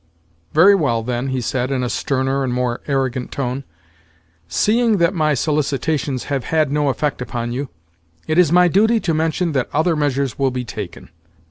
"Very well, then," he said, in a sterner and more arrogant tone. "Seeing that my solicitations have had no effect upon you, it is my duty to mention that other measures will be taken.